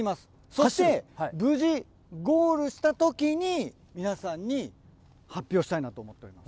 そして、無事、ゴールしたときに、皆さんに発表したいなと思っております。